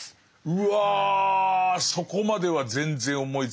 うわそこまでは全然思いつかなくて。